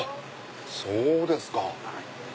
そうですか。